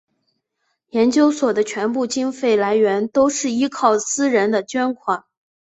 研究所的全部经费来源都是依靠私人的捐款。